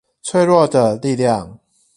脆弱的力量